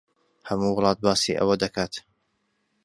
ھەموو وڵات باسی ئەوە دەکات.